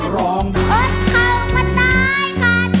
ร้องได้ไอ้สาว